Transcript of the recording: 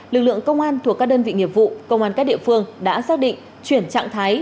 lực lượng công an thuộc các đơn vị nghiệp vụ công an các địa phương đã xác định chuyển trạng thái